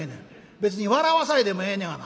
別に笑わさいでもええねやがな」。